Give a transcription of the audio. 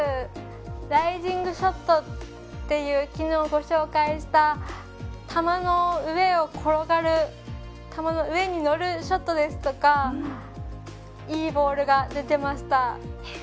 ライジングショットという昨日、ご紹介した球の上に乗るショットですとかいいボールが出ていました。